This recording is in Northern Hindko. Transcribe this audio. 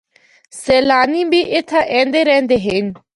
سیلانی بھی اِتھا ایندے رہندے ہن۔